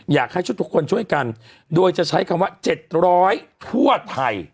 อยากให้ทุกคนช่วยกันโดยจะใช้คำว่า๗๐๐ทั่วไทย